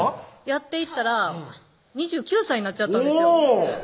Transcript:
やっていったら２９歳になっちゃったんですよおぉ！